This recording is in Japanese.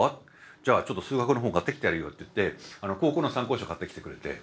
じゃあちょっと数学の本を買ってきてやるよ」って言って高校の参考書を買ってきてくれて。